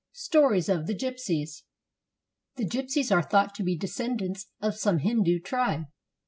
STORIES OF THE GYPSIES [The gypsies are thought to be descendants of some Hindu tribe.